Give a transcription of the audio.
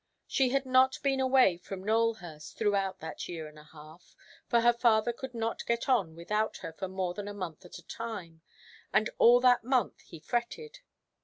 She had not been away from Nowelhurst throughout that year and a half, for her father could not get on without her for more than a month at a time, and all that month he fretted.